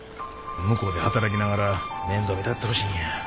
向こうで働きながら面倒見たってほしいんや。